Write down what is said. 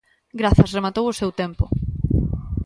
Grazas, rematou o seu tempo.